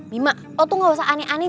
bima oh tuh gak usah aneh aneh